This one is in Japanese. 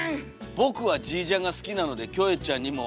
「ぼくはＧジャンが好きなのでキョエちゃんにもきてほしいです」。